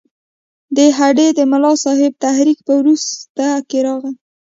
د هډې د ملاصاحب تحریک په وروسته کې راغی.